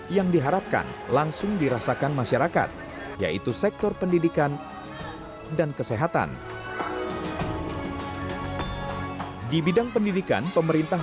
yang terakhir menaruh pemerintah